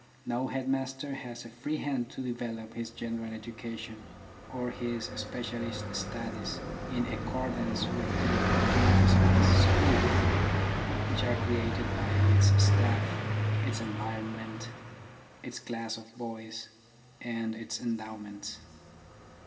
No headmaster has a free hand to develop his general education or his specialist studies in accordance with the opportunities of his school, which are created by its staff, its environment, its class of boys, and its endowments.